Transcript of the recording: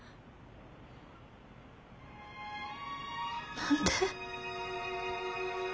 何で？